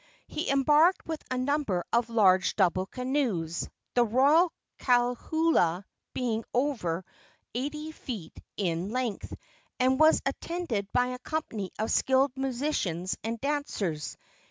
He embarked with a number of large double canoes, the royal kaulua being over eighty feet in length, and was attended by a company of skilled musicians and dancers.